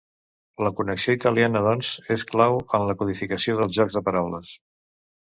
La connexió italiana, doncs, és clau en la codificació dels jocs de paraules.